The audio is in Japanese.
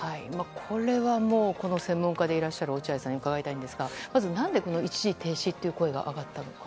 これはもうこれの専門家でいらっしゃる落合さんに伺いたいんですがまず、なんで一時停止という声が上がったのか。